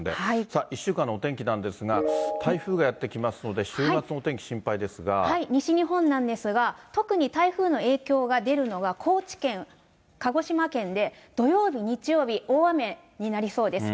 さあ、１週間のお天気なんですが、台風がやって来ますので、西日本なんですが、特に台風の影響が出るのは高知県、鹿児島県で、土曜日、日曜日、大雨になりそうです。